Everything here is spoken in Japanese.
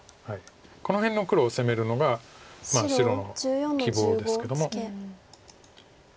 この辺の黒を攻めるのが白の希望ですけども。